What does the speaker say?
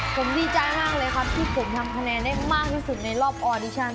ผมดีใจมากเลยครับที่ผมทำคะแนนได้มากที่สุดในรอบออดิชัน